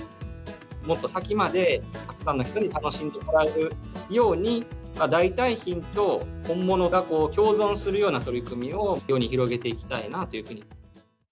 もっと先までたくさんの人に楽しんでもらえるように、代替品と本物が共存するような取り組みを、世に広げていきたいなというふうに。